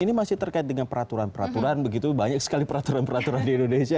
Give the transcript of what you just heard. ini masih terkait dengan peraturan peraturan begitu banyak sekali peraturan peraturan di indonesia